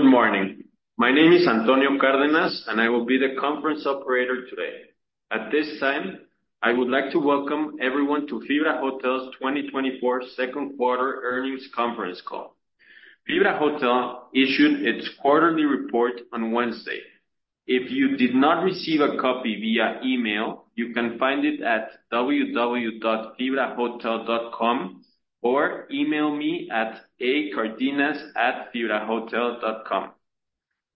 Good morning. My name is Antonio Cárdenas, and I will be the conference operator today. At this time, I would like to welcome everyone to FibraHotel's 2024 second quarter earnings conference call. FibraHotel issued its quarterly report on Wednesday. If you did not receive a copy via email, you can find it at www.fibrahotel.com or email me at acardenas@fibrahotel.com.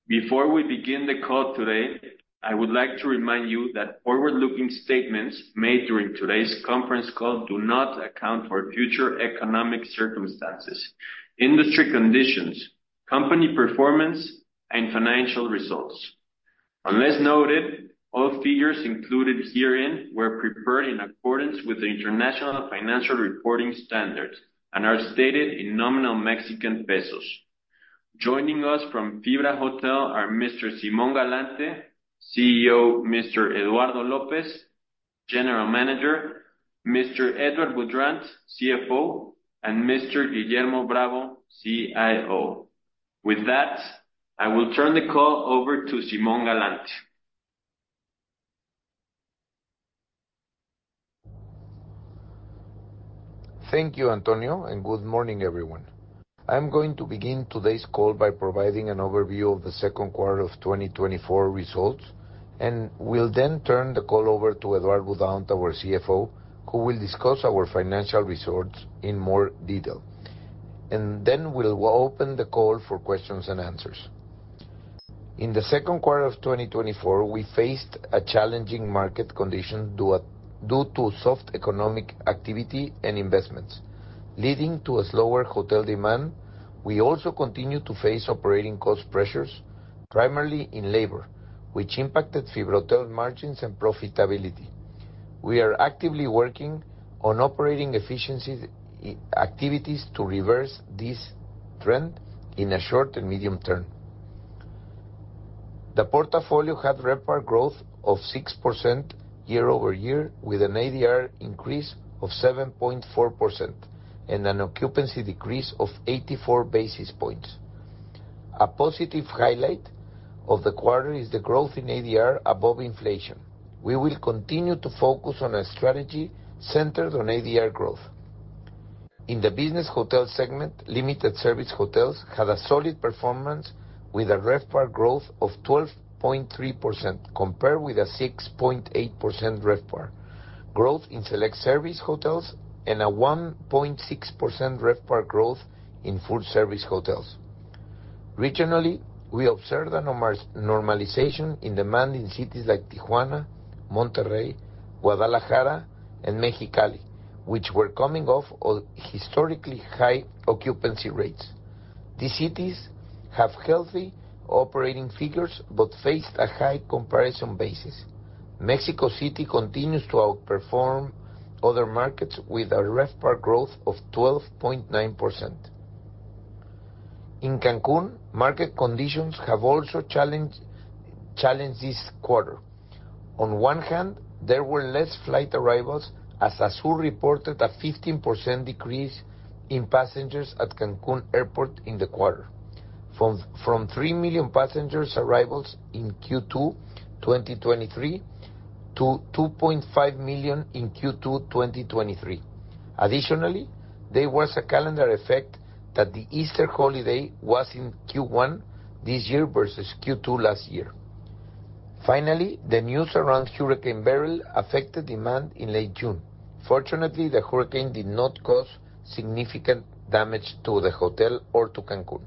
Before we begin the call today, I would like to remind you that forward-looking statements made during today's conference call do not account for future economic circumstances, industry conditions, company performance, and financial results. Unless noted, all figures included herein were prepared in accordance with the International Financial Reporting Standards and are stated in nominal Mexican pesos. Joining us from FibraHotel are Mr. Simón Galante, CEO, Mr. Eduardo López, General Manager, Mr. Edouard Boudrant, CFO, and Mr. Guillermo Bravo, CIO. With that, I will turn the call over to Simón Galante. Thank you, Antonio, and good morning, everyone. I'm going to begin today's call by providing an overview of the second quarter of 2024 results, and we'll then turn the call over to Edouard Boudrant, our CFO, who will discuss our financial results in more detail. Then we'll open the call for questions and answers. In the second quarter of 2024, we faced a challenging market condition due to soft economic activity and investments, leading to a slower hotel demand. We also continue to face operating cost pressures, primarily in labor, which impacted FibraHotel margins and profitability. We are actively working on operating efficiencies activities to reverse this trend in a short and medium term. The portfolio had RevPAR growth of 6% year-over-year, with an ADR increase of 7.4% and an occupancy decrease of 84 basis points. A positive highlight of the quarter is the growth in ADR above inflation. We will continue to focus on a strategy centered on ADR growth. In the business hotel segment, limited service hotels had a solid performance with a RevPAR growth of 12.3%, compared with a 6.8% RevPAR growth in select service hotels and a 1.6% RevPAR growth in full service hotels. Regionally, we observed a normalization in demand in cities like Tijuana, Monterrey, Guadalajara, and Mexicali, which were coming off of historically high occupancy rates. These cities have healthy operating figures, but faced a high comparison basis. Mexico City continues to outperform other markets with a RevPAR growth of 12.9%. In Cancun, market conditions have also challenged this quarter. On one hand, there were less flight arrivals, as ASUR reported a 15% decrease in passengers at Cancun Airport in the quarter, from three million passenger arrivals in Q2 2023 to 2.5 million in Q2 2023. Additionally, there was a calendar effect that the Easter holiday was in Q1 this year versus Q2 last year. Finally, the news around Hurricane Beryl affected demand in late June. Fortunately, the hurricane did not cause significant damage to the hotel or to Cancun.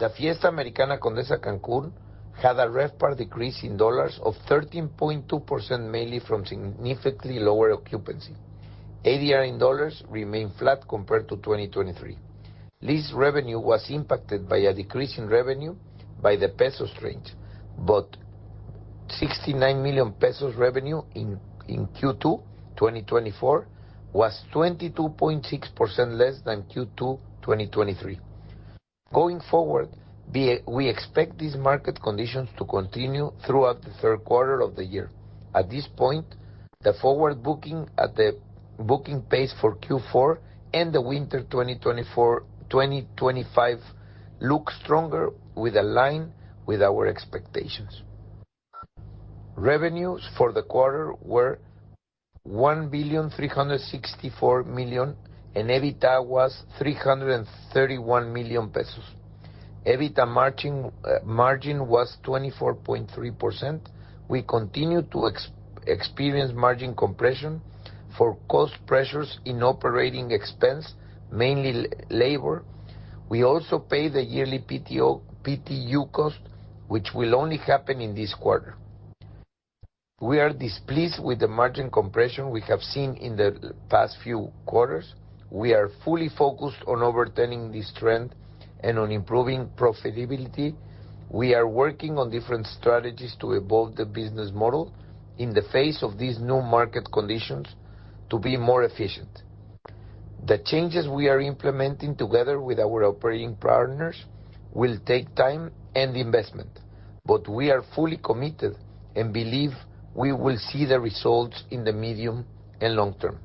The Fiesta Americana Condesa Cancún had a RevPAR decrease in dollars of 13.2%, mainly from significantly lower occupancy. ADR in dollars remained flat compared to 2023. Lease revenue was impacted by a decrease in revenue by the peso strength, but 69 million pesos revenue in Q2 2024 was 22.6% less than Q2 2023. Going forward, we expect these market conditions to continue throughout the third quarter of the year. At this point, the forward booking at the booking pace for Q4 and the winter 2024, 2025, looks stronger with align with our expectations. Revenues for the quarter were 1,364 million, and EBITDA was 331 million pesos. EBITDA margin, margin was 24.3%. We continue to experience margin compression for cost pressures in operating expense, mainly labor. We also pay the yearly PTU, PTU cost, which will only happen in this quarter. We are displeased with the margin compression we have seen in the past few quarters. We are fully focused on overturning this trend and on improving profitability. We are working on different strategies to evolve the business model in the face of these new market conditions to be more efficient. The changes we are implementing together with our operating partners will take time and investment, but we are fully committed and believe we will see the results in the medium and long term....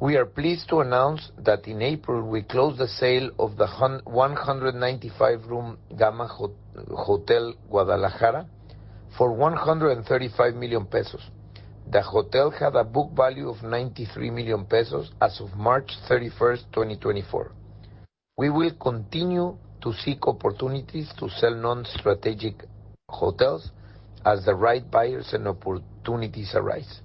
We are pleased to announce that in April, we closed the sale of the 195-room Gamma Guadalajara for 135 million pesos. The hotel had a book value of 93 million pesos as of March 31, 2024. We will continue to seek opportunities to sell non-strategic hotels as the right buyers and opportunities arise.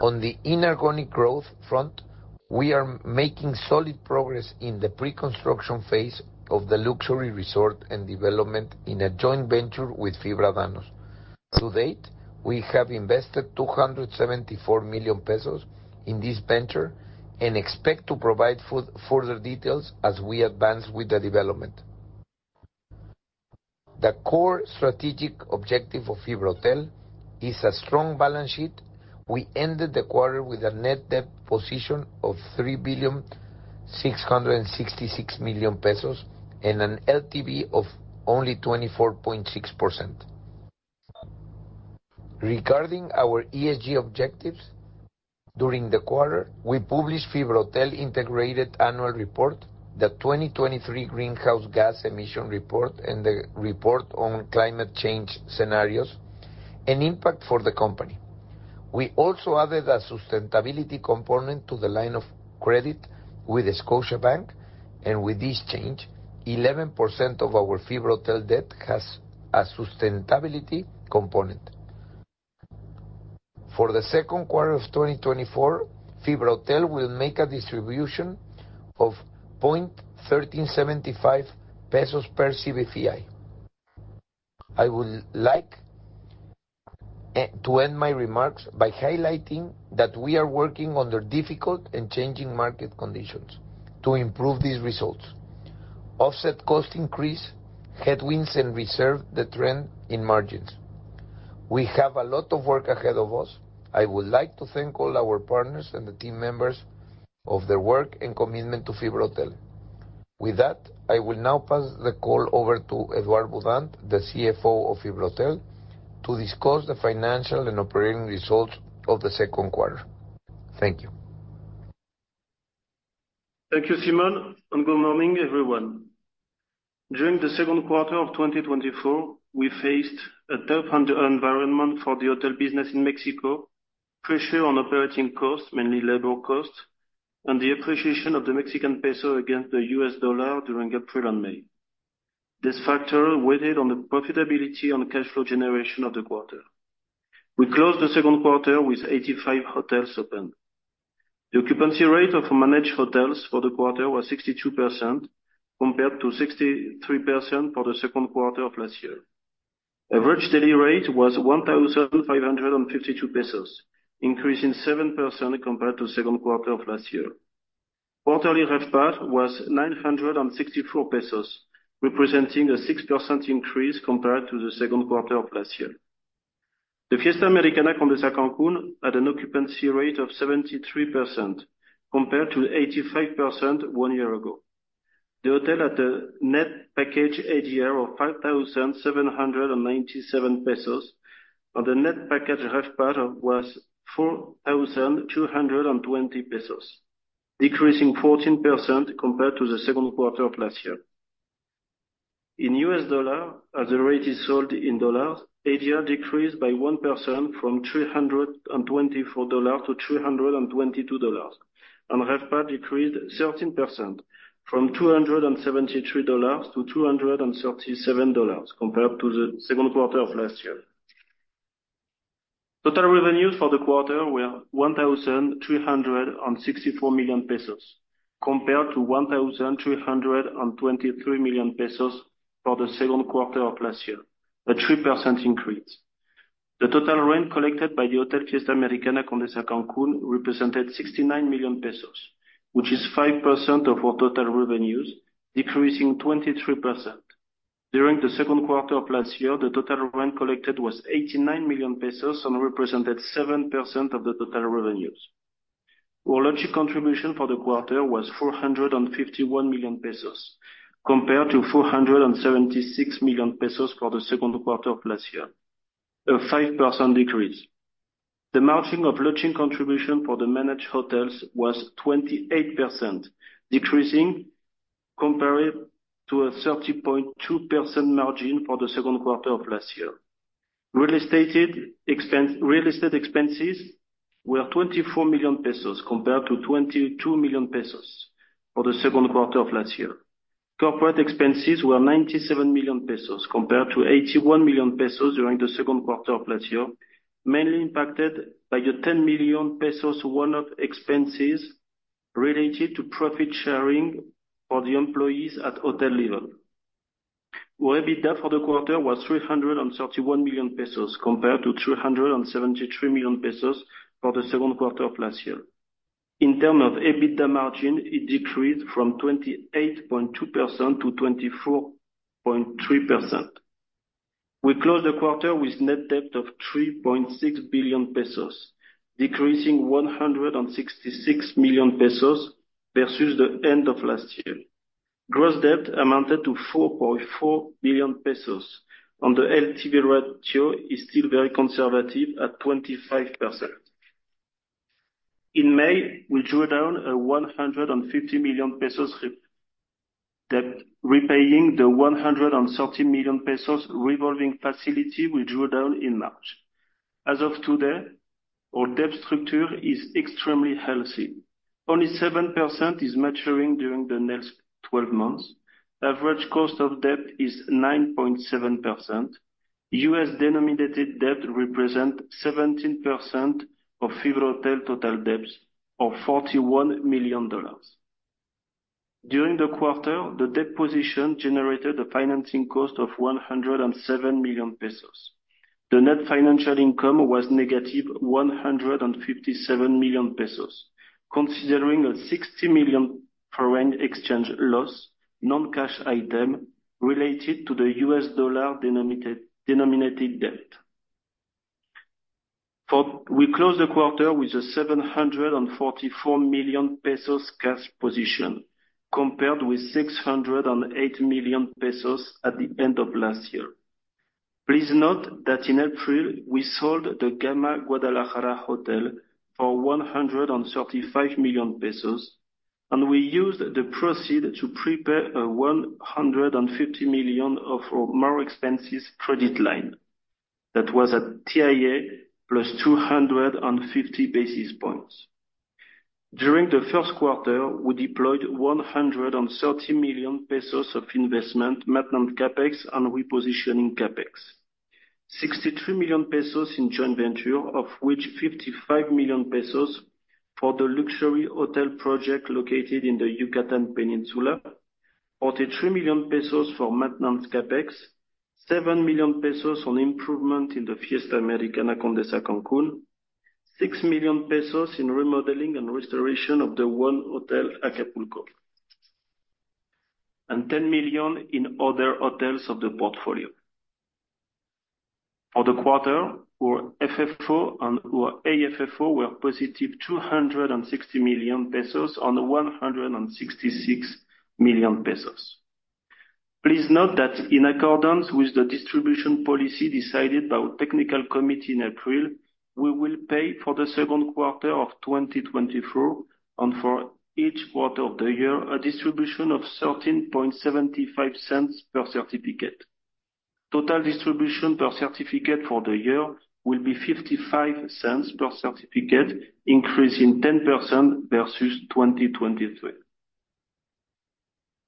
On the inorganic growth front, we are making solid progress in the pre-construction phase of the luxury resort and development in a joint venture with Fibra Danhos. To date, we have invested 274 million pesos in this venture and expect to provide further details as we advance with the development. The core strategic objective of FibraHotel is a strong balance sheet. We ended the quarter with a net debt position of 3.666 billion, and an LTV of only 24.6%. Regarding our ESG objectives, during the quarter, we published FibraHotel Integrated Annual Report, the 2023 Greenhouse Gas Emission Report, and the report on climate change scenarios and impact for the company. We also added a sustainability component to the line of credit with Scotiabank, and with this change, 11% of our FibraHotel debt has a sustainability component. For the second quarter of 2024, FibraHotel will make a distribution of 0.1375 pesos per CBFI. I would like to end my remarks by highlighting that we are working under difficult and changing market conditions to improve these results. Offset cost increase, headwinds, and reserve the trend in margins. We have a lot of work ahead of us. I would like to thank all our partners and the team members of their work and commitment to FibraHotel. With that, I will now pass the call over to Edouard Boudrant, the CFO of FibraHotel, to discuss the financial and operating results of the second quarter. Thank you. Thank you, Simón, and good morning, everyone. During the second quarter of 2024, we faced a tough environment for the hotel business in Mexico, pressure on operating costs, mainly labor costs, and the appreciation of the Mexican peso against the US dollar during April and May. This factor weighed in on the profitability and cash flow generation of the quarter. We closed the second quarter with 85 hotels open. The occupancy rate of managed hotels for the quarter was 62%, compared to 63% for the second quarter of last year. Average daily rate was 1,552 pesos, increasing 7% compared to second quarter of last year. Quarterly RevPAR was 964 pesos, representing a 6% increase compared to the second quarter of last year. The Fiesta Americana Condesa Cancún had an occupancy rate of 73%, compared to 85% one year ago. The hotel had a net package ADR of 5,797 pesos, and the net package RevPAR was 4,220 pesos, decreasing 14% compared to the second quarter of last year. In U.S. dollar, as the rate is sold in dollars, ADR decreased by 1% from $324 to $322, and RevPAR decreased 13% from $273 to $237 compared to the second quarter of last year. Total revenues for the quarter were 1,364 million pesos, compared to 1,323 million pesos for the second quarter of last year, a 3% increase. The total rent collected by the Fiesta Americana Condesa Cancún represented 69 million pesos, which is 5% of our total revenues, decreasing 23%. During the second quarter of last year, the total rent collected was 89 million pesos and represented 7% of the total revenues. Our lodging contribution for the quarter was 451 million pesos, compared to 476 million pesos for the second quarter of last year, a 5% decrease. The margin of lodging contribution for the managed hotels was 28%, decreasing compared to a 30.2% margin for the second quarter of last year. Real estate expenses were 24 million pesos, compared to 22 million pesos for the second quarter of last year. Corporate expenses were 97 million pesos, compared to 81 million pesos during the second quarter of last year, mainly impacted by 10 million pesos one-off expenses related to profit sharing for the employees at hotel level. Our EBITDA for the quarter was 331 million pesos, compared to 373 million pesos for the second quarter of last year. In terms of EBITDA margin, it decreased from 28.2% to 24.3%. We closed the quarter with net debt of 3.6 billion pesos, decreasing 166 million pesos versus the end of last year. Gross debt amounted to 4.4 billion pesos, and the LTV ratio is still very conservative at 25%. In May, we drew down a 150 million pesos revolving debt, repaying the 130 million pesos revolving facility we drew down in March. As of today, our debt structure is extremely healthy. Only 7% is maturing during the next 12 months. Average cost of debt is 9.7%. U.S. denominated debt represent 17% of FibraHotel total debts of $41 million. During the quarter, the debt position generated a financing cost of 107 million pesos. The net financial income was negative 157 million pesos, considering a 60 million foreign exchange loss, non-cash item related to the U.S. dollar denominated debt. We closed the quarter with a 744 million pesos cash position, compared with 608 million pesos at the end of last year. Please note that in April, we sold the Gamma Guadalajara hotel for 135 million pesos, and we used the proceeds to repay 150 million of our more expensive credit line that was at TIIE plus 250 basis points. During the first quarter, we deployed 130 million pesos of investment, maintenance CapEx and repositioning CapEx. 63 million pesos in joint venture, of which 55 million pesos for the luxury hotel project located in the Yucatan Peninsula, 43 million pesos for maintenance CapEx, seven million pesos on improvement in the Fiesta Americana Condesa Cancún, 6 million pesos in remodeling and restoration of the One Acapulco, and 10 million in other hotels of the portfolio. For the quarter, our FFO and our AFFO were positive 260 million pesos and 166 million pesos. Please note that in accordance with the distribution policy decided by our technical committee in April, we will pay for the second quarter of 2024, and for each quarter of the year, a distribution of $0.1375 per certificate. Total distribution per certificate for the year will be $0.55 per certificate, increase in 10% versus 2023.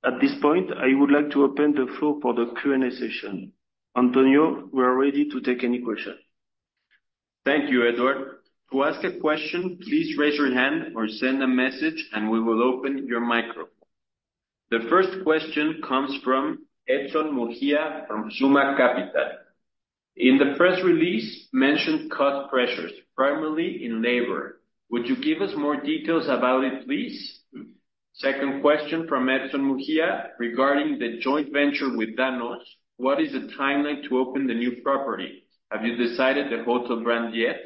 At this point, I would like to open the floor for the Q&A session. Antonio, we are ready to take any question. Thank you, Edouard. To ask a question, please raise your hand or send a message, and we will open your microphone. The first question comes from Edson Murguía from Zuma Capital. In the press release, mention cost pressures, primarily in labor. Would you give us more details about it, please? Second question from Edson Murguía, regarding the joint venture with Danhos, what is the timeline to open the new property? Have you decided the hotel brand yet?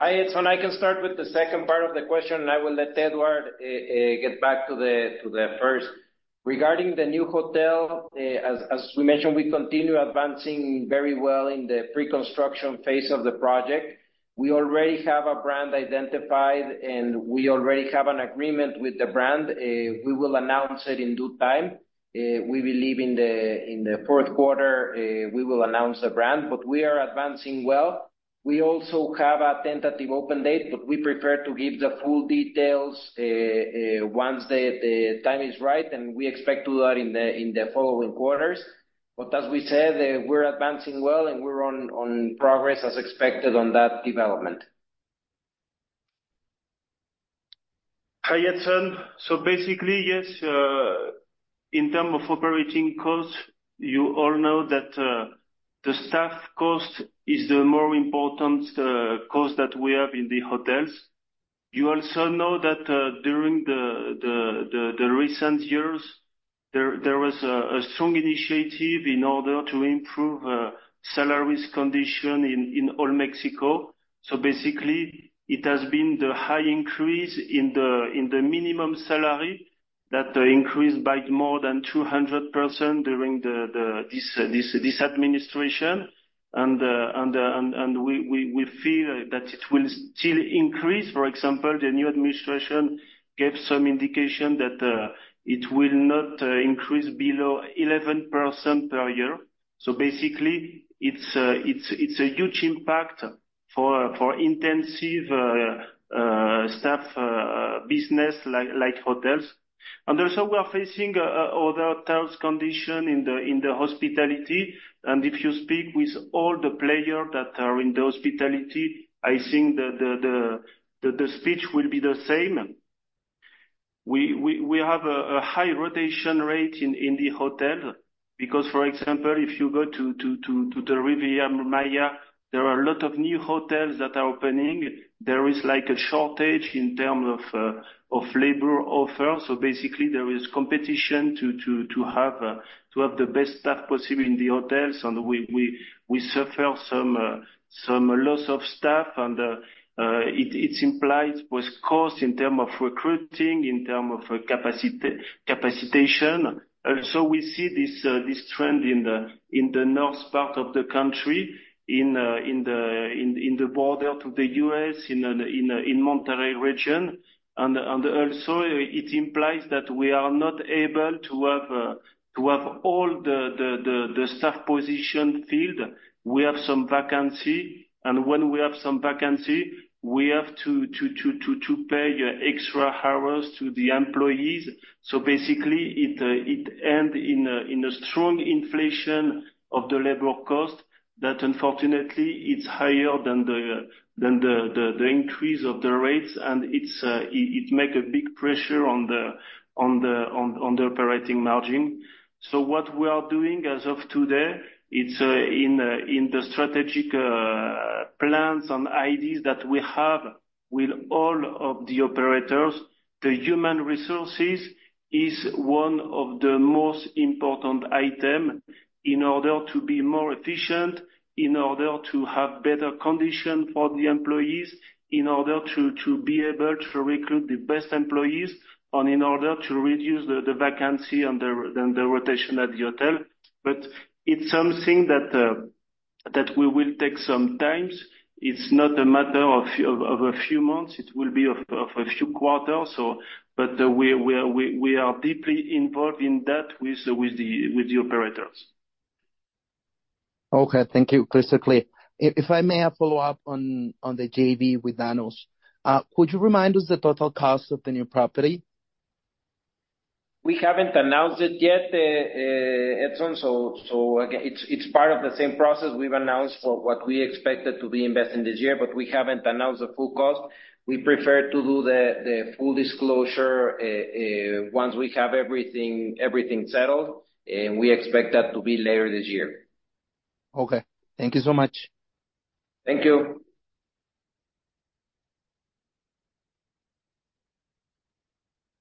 Hi, Edson. I can start with the second part of the question, and I will let Edouard get back to the first. Regarding the new hotel, as we mentioned, we continue advancing very well in the pre-construction phase of the project. We already have a brand identified, and we already have an agreement with the brand. We will announce it in due time. We believe in the fourth quarter we will announce the brand, but we are advancing well. We also have a tentative open date, but we prefer to give the full details once the time is right, and we expect to do that in the following quarters. But as we said, we're advancing well, and we're on progress as expected on that development. Hi, Edson. So basically, yes, in term of operating costs, you all know that, the staff cost is the more important cost that we have in the hotels. You also know that, during the recent years, there was a strong initiative in order to improve salaries condition in all Mexico. So basically, it has been the high increase in the minimum salary, that increased by more than 200% during the this administration. And, and we feel that it will still increase. For example, the new administration gave some indication that, it will not increase below 11% per year. So basically, it's a huge impact for intensive staff business like hotels. And also, we are facing other tough condition in the hospitality. If you speak with all the players that are in the hospitality, I think the speech will be the same. We have a high rotation rate in the hotel, because, for example, if you go to the Riviera Maya, there are a lot of new hotels that are opening. There is like a shortage in terms of labor offer. So basically, there is competition to have the best staff possible in the hotels. And we suffer some loss of staff, and it's implied with cost in terms of recruiting, in terms of capacitation. And so we see this trend in the north part of the country, in the border to the US, in the Monterrey region. And also, it implies that we are not able to have all the staff positions filled. We have some vacancy, and when we have some vacancy, we have to pay extra hours to the employees. So basically, it end in a strong inflation of the labor cost that unfortunately is higher than the increase of the rates. And it's, it make a big pressure on the operating margin. So what we are doing as of today, it's in the strategic plans and ideas that we have with all of the operators, the human resources is one of the most important item in order to be more efficient, in order to have better condition for the employees, in order to be able to recruit the best employees, and in order to reduce the vacancy and the rotation at the hotel. But it's something that we will take some times. It's not a matter of a few months. It will be of a few quarters. We are deeply involved in that with the operators. Okay. Thank you, crystal clear. If I may have follow-up on the JV with Danhos. Could you remind us the total cost of the new property? We haven't announced it yet, Edson, so again, it's part of the same process we've announced for what we expected to be investing this year, but we haven't announced the full cost. We prefer to do the full disclosure once we have everything settled, and we expect that to be later this year. Okay. Thank you so much. Thank you.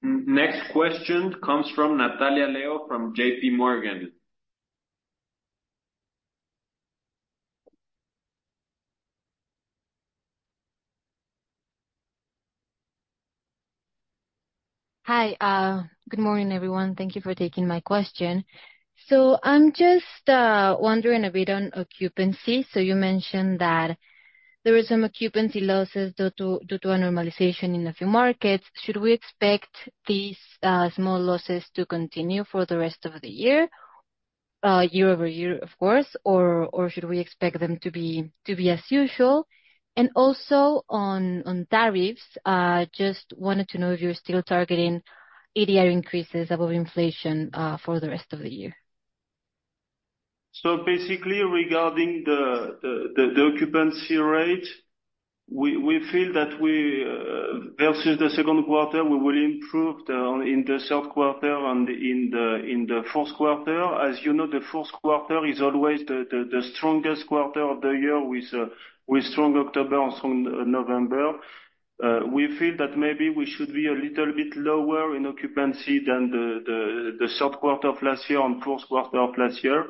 Next question comes from Natalia León, from J.P. Morgan. Hi, good morning, everyone. Thank you for taking my question. So I'm just wondering a bit on occupancy. So you mentioned that there were some occupancy losses due to a normalization in a few markets. Should we expect these small losses to continue for the rest of the year year-over-year, of course, or should we expect them to be as usual? And also on tariffs, just wanted to know if you're still targeting ADR increases above inflation for the rest of the year. So basically, regarding the occupancy rate, we feel that versus the second quarter, we will improve in the third quarter and in the fourth quarter. As you know, the fourth quarter is always the strongest quarter of the year with strong October and strong November. We feel that maybe we should be a little bit lower in occupancy than the third quarter of last year and fourth quarter of last year.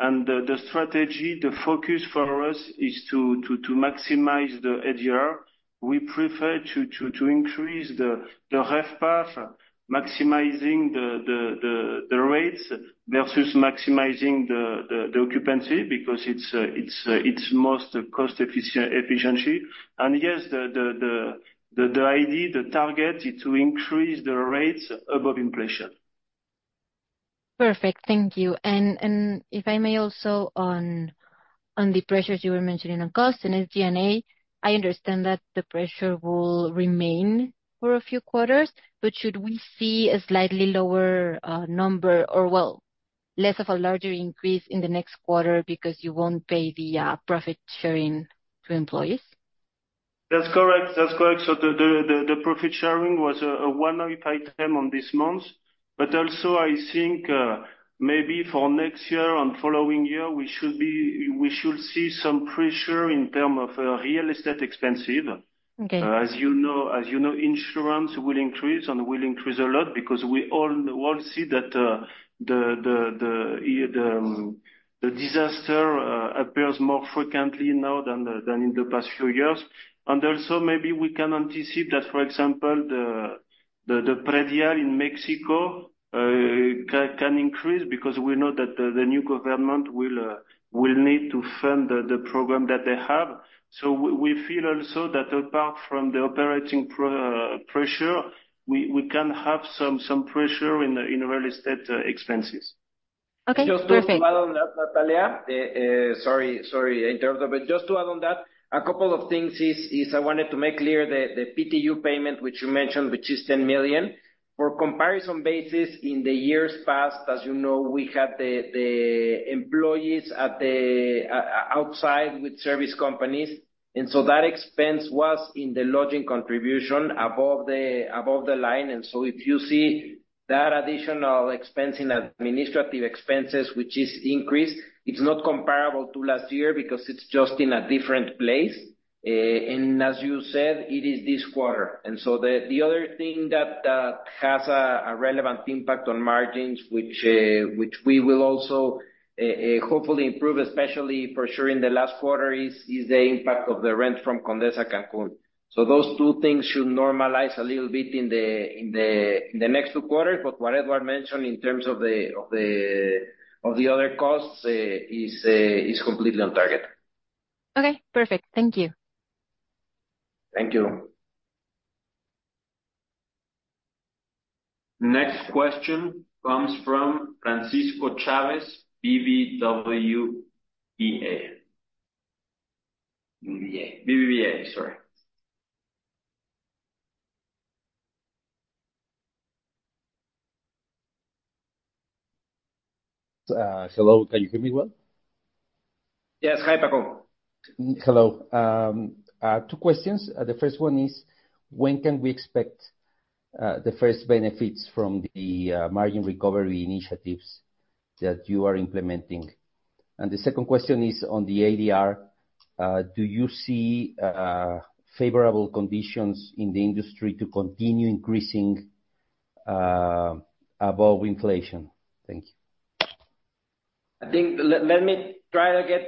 And the strategy, the focus for us is to maximize the ADR. We prefer to increase the RevPAR, maximizing the rates versus maximizing the occupancy, because it's most cost efficiency. And yes, the idea, the target is to increase the rates above inflation. Perfect. Thank you. And if I may also on the pressures you were mentioning on cost and SG&A, I understand that the pressure will remain for a few quarters, but should we see a slightly lower number or, well, less of a larger increase in the next quarter because you won't pay the profit sharing to employees? That's correct. That's correct. So the profit sharing was a one-off item on this month. But also, I think, maybe for next year and following year, we should be, we should see some pressure in terms of real estate expenses. Okay. As you know, as you know, insurance will increase and will increase a lot because we all in the world see that, the disaster appears more frequently now than in the past few years. And also, maybe we can anticipate that, for example, the PREVIA in Mexico can increase because we know that the new government will need to fund the program that they have. So we feel also that apart from the operating pressure, we can have some pressure in real estate expenses. Okay, perfect. Just to follow on that, Natalia, sorry, I interrupted. But just to add on that, a couple of things is, I wanted to make clear the PTU payment, which you mentioned, which is 10 million. For comparison basis, in the years past, as you know, we had the employees at the outside with service companies, and so that expense was in the lodging contribution above the line. And so if you see that additional expense in administrative expenses, which is increased, it's not comparable to last year because it's just in a different place. And as you said, it is this quarter. And so the other thing that has a relevant impact on margins, which we will also hopefully improve, especially for sure in the last quarter, is the impact of the rent from Condesa Cancún. So those two things should normalize a little bit in the next two quarters. But what Edouard mentioned in terms of the other costs is completely on target. Okay, perfect. Thank you. Thank you. Next question comes from Francisco Chávez, BBVA. Sorry. Hello, can you hear me well? Yes. Hi, Paco. Hello. Two questions. The first one is: when can we expect the first benefits from the margin recovery initiatives that you are implementing? And the second question is on the ADR. Do you see favorable conditions in the industry to continue increasing above inflation? Thank you. I think, let me try to get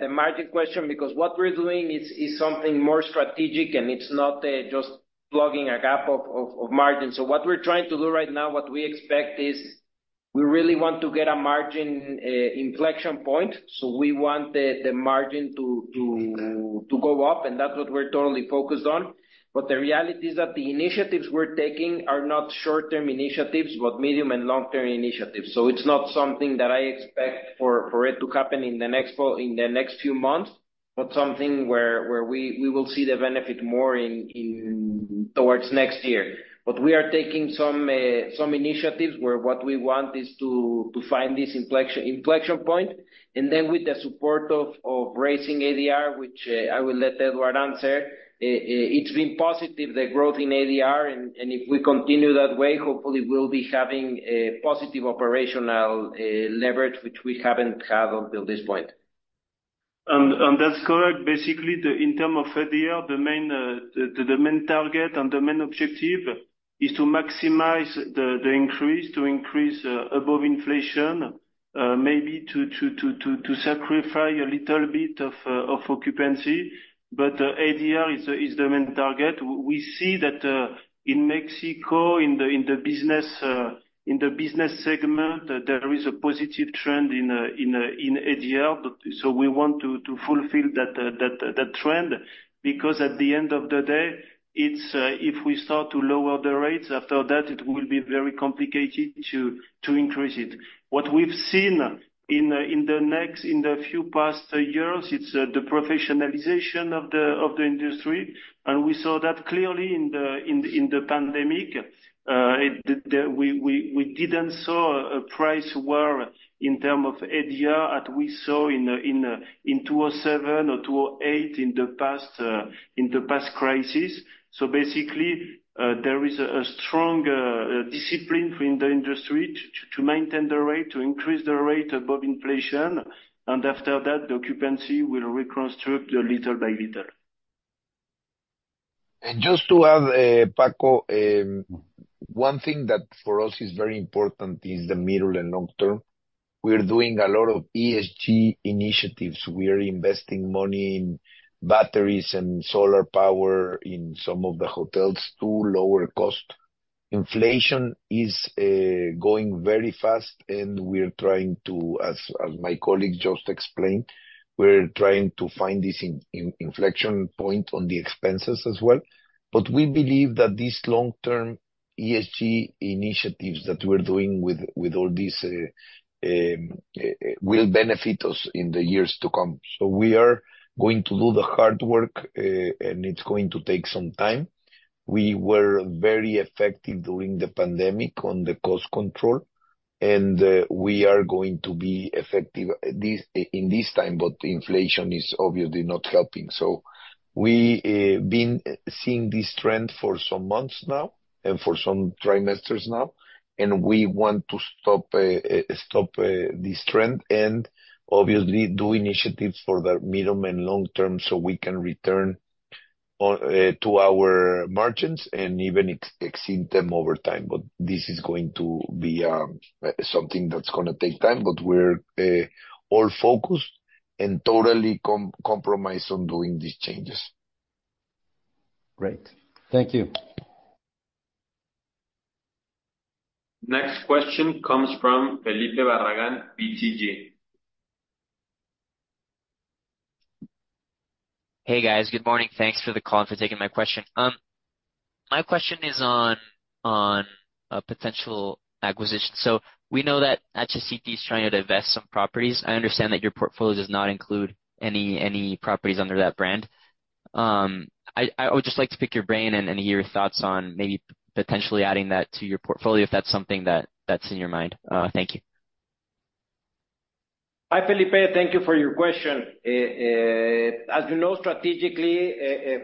the margin question, because what we're doing is something more strategic, and it's not just plugging a gap of margins. So what we're trying to do right now, what we expect is, we really want to get a margin inflection point, so we want the margin to go up, and that's what we're totally focused on. But the reality is that the initiatives we're taking are not short-term initiatives, but medium and long-term initiatives. So it's not something that I expect for it to happen in the next few months, but something where we will see the benefit more towards next year. But we are taking some initiatives where what we want is to find this inflection point, and then with the support of raising ADR, which I will let Edouard answer, it's been positive, the growth in ADR, and if we continue that way, hopefully we'll be having a positive operational leverage, which we haven't had until this point. And that's correct. Basically, in terms of ADR, the main target and the main objective is to maximize the increase, to increase above inflation, maybe to sacrifice a little bit of occupancy, but ADR is the main target. We see that in Mexico, in the business segment, there is a positive trend in ADR. But so we want to fulfill that trend, because at the end of the day, it's if we start to lower the rates after that, it will be very complicated to increase it. What we've seen in the next few past years, it's the professionalization of the industry, and we saw that clearly in the pandemic. We didn't saw a price war in term of ADR that we saw in 2007 or 2008, in the past crisis. So basically, there is a strong discipline in the industry to maintain the rate, to increase the rate above inflation, and after that, the occupancy will reconstruct little by little. And just to add, Paco, one thing that for us is very important is the middle and long term. We are doing a lot of ESG initiatives. We are investing money in batteries and solar power in some of the hotels to lower cost. Inflation is going very fast, and we are trying to, as my colleague just explained, we're trying to find this inflection point on the expenses as well. But we believe that this long-term ESG initiatives that we're doing with all these will benefit us in the years to come. So we are going to do the hard work, and it's going to take some time. We were very effective during the pandemic on the cost control, and we are going to be effective in this time, but inflation is obviously not helping. So we been seeing this trend for some months now and for some trimesters now, and we want to stop this trend and obviously do initiatives for the medium and long term so we can return on to our margins and even exceed them over time. But this is going to be something that's gonna take time, but we're all focused and totally compromised on doing these changes. Great. Thank you. Next question comes from Felipe Barragán, BTG. Hey, guys. Good morning. Thanks for the call and for taking my question. My question is on a potential acquisition. So we know that HCT is trying to divest some properties. I understand that your portfolio does not include any properties under that brand. I would just like to pick your brain and hear your thoughts on maybe potentially adding that to your portfolio, if that's something that's in your mind. Thank you. Hi, Felipe. Thank you for your question. As you know, strategically,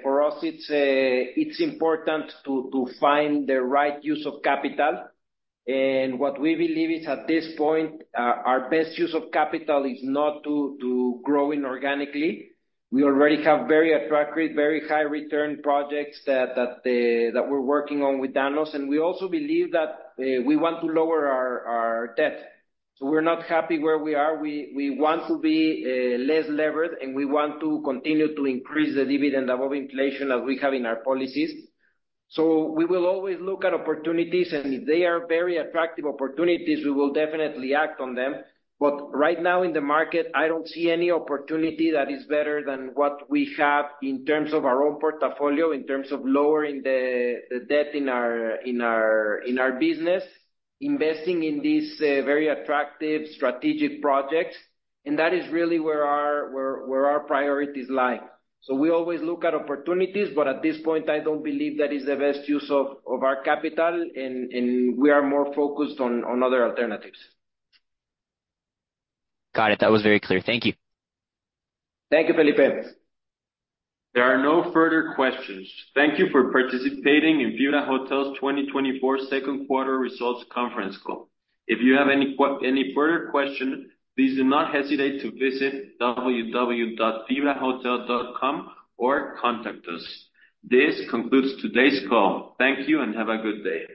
for us, it's important to find the right use of capital, and what we believe is, at this point, our best use of capital is not to growing organically. We already have very attractive, very high return projects that we're working on with Danhos, and we also believe that we want to lower our debt. So we're not happy where we are. We want to be less levered, and we want to continue to increase the dividend above inflation as we have in our policies. So we will always look at opportunities, and if they are very attractive opportunities, we will definitely act on them. But right now in the market, I don't see any opportunity that is better than what we have in terms of our own portfolio, in terms of lowering the debt in our business, investing in these very attractive strategic projects, and that is really where our priorities lie. So we always look at opportunities, but at this point, I don't believe that is the best use of our capital, and we are more focused on other alternatives. Got it. That was very clear. Thank you. Thank you, Felipe. There are no further questions. Thank you for participating in FibraHotel's 2024 second quarter results conference call. If you have any further question, please do not hesitate to visit www.fibrahotel.com or contact us. This concludes today's call. Thank you, and have a good day.